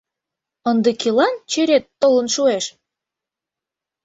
Ынде кӧлан черет толын шуэш?